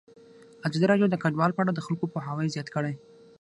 ازادي راډیو د کډوال په اړه د خلکو پوهاوی زیات کړی.